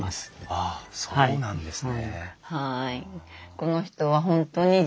ああそうなんですね。